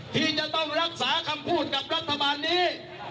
ที่จะต้องรักษาคำพูดกับรัฐบาลนี้